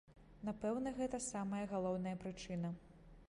Напэўна, гэта самая галоўная прычына.